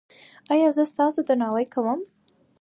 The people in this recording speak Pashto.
ایا زه ستاسو درناوی کوم؟